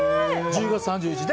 １０月３１日で。